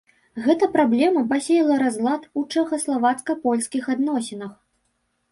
Гэта праблема пасеяла разлад у чэхаславацка-польскіх адносінах.